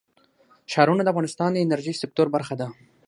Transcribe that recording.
ښارونه د افغانستان د انرژۍ سکتور برخه ده.